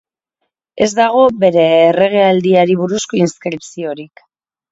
Ez dago bere erregealdiari buruzko inskripziorik.